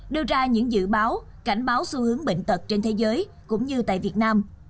đưa ra những dự báo cảnh báo xu hướng bệnh tật trên thế giới cũng như tại việt nam